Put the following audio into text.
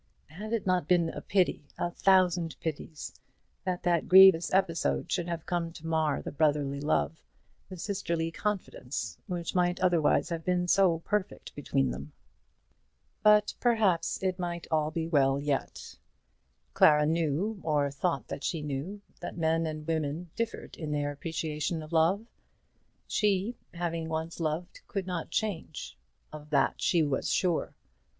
Had it not been a pity, a thousand pities, that that grievous episode should have come to mar the brotherly love, the sisterly confidence, which might otherwise have been so perfect between them? But perhaps it might all be well yet. Clara knew, or thought that she knew, that men and women differed in their appreciation of love. She, having once loved, could not change. Of that she was sure.